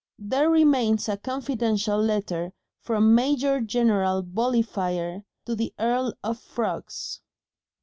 There remains a confidential letter from Major General Volleyfire to the Earl of Frogs.